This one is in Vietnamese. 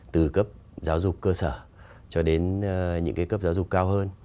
từ cấp giáo dục cơ sở cho đến những cái cấp giáo dục cao hơn